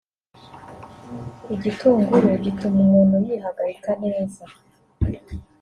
Igitunguru gituma umuntu yihagarika neza